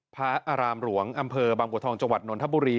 พระอารามหลวงอำเภอบางบัวทองจังหวัดนทบุรี